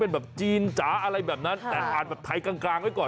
เป็นแบบจีนจ๋าอะไรแบบนั้นแต่อ่านแบบไทยกลางไว้ก่อน